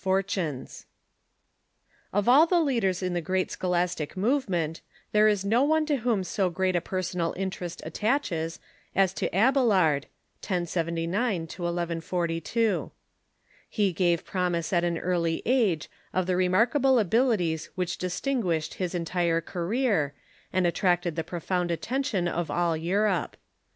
] Of all the leaders in the great scholastic movement there is no one to whom so great a personal interest attaches as to Ab elard (1079 1142). He gave promise at an early age of the remarkable abilities which distinguished his en tire career, and attracted the profound attention of all Europe.